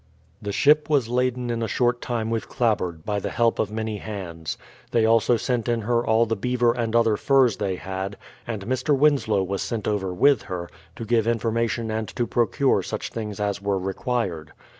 The ship was laden in a short time with clapboard, by the help of many hands. They also sent in her all the beaver and other furs they had, and Mr. Winslow was sent over with her, to give information and to procure such things as were required.